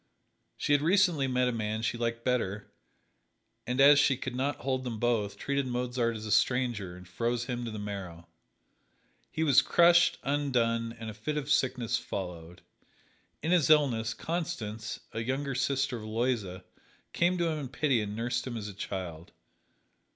She had recently met a man she liked better, and as she could not hold them both, treated Mozart as a stranger, and froze him to the marrow. He was crushed, undone, and a fit of sickness followed. In his illness, Constance, a younger sister of Aloysia, came to him in pity and nursed him as a child.